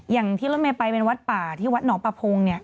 อย่างที่เราไปเป็นวัดป่าที่วัดหนอป่าโพงเนี่ย